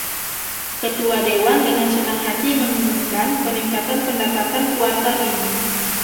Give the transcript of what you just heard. Ketua dewan dengan senang hati mengumumkan peningkatan pendapatan kuartal ini.